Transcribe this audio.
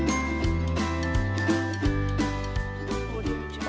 สวัสดีครับผมขอกินหน่อยครับ